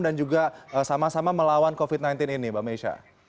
dan juga sama sama melawan covid sembilan belas ini mbak meksya